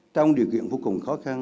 trong điều kiện vô cùng khó khăn